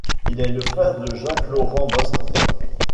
Il est le frère de Jacques-Laurent Bost.